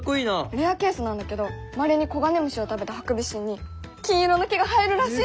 レアケースなんだけどまれに黄金虫を食べたハクビシンに金色の毛が生えるらしいの！